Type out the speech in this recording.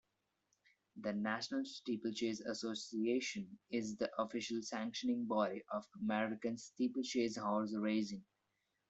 The National Steeplechase Association is the official sanctioning body of American steeplechase horse racing.